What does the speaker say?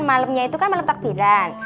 malemnya itu kan malem takbiran